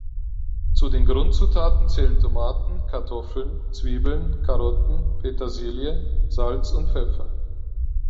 Zu den Grundzutaten zählen Tomaten, Kartoffeln, Zwiebeln, Karotten, Petersilie, Salz und Pfeffer.